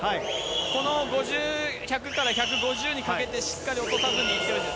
この５０、１００から１５０にかけてしっかり落とさずに。